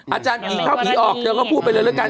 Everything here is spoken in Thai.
อาจารย์ผีเข้าผีออกเธอก็พูดไปเลยแล้วกัน